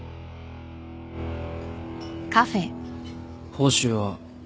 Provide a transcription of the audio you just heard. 報酬は？